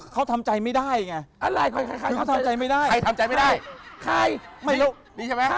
เขาดูดวงให้คนต่างประเทศ